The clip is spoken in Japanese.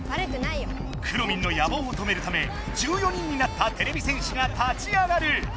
くろミンの野ぼうを止めるため１４人になったてれび戦士が立ち上がる！